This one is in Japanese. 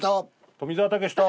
富澤たけしと。